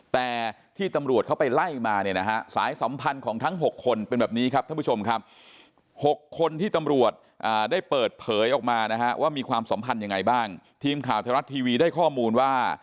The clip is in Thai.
แต่ที่ตำรวจเขาไปไล่มาเนี่ยนะฮะ